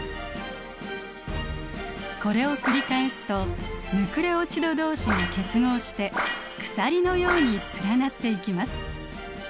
これを繰り返すとヌクレオチドどうしが結合して鎖のように連なっていきます。